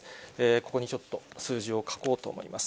ここにちょっと数字を書こうと思います。